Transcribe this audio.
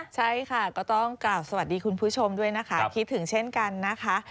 ใช่ค่ะก็ต้องกล่าวสวัสดีคุณผู้ชมด้วยนะคะคิดถึงเช่นกันนะคะ